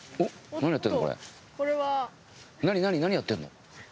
何やってんの？